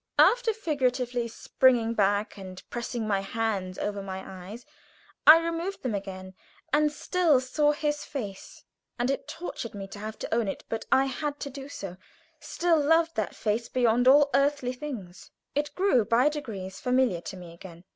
After figuratively springing back and pressing my hands over my eyes, I removed them again, and still saw his face and it tortured me to have to own it, but I had to do so still loved that face beyond all earthly things. It grew by degrees familiar to me again.